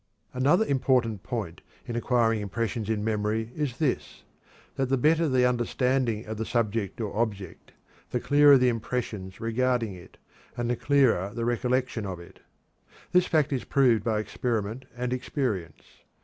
Another important point in acquiring impressions in memory is this: _That the better the understanding of the subject or object, the clearer the impressions regarding it, and the clearer the recollection of it_. This fact is proved by experiment and experience.